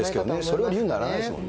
それは理由にならないですよ